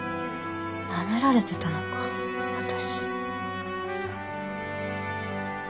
舐められてたのか私。